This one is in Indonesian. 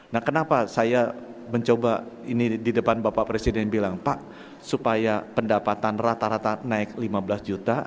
nah kenapa saya mencoba ini di depan bapak presiden bilang pak supaya pendapatan rata rata naik lima belas juta